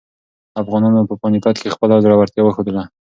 افغانانو په پاني پت کې خپله زړورتیا وښودله.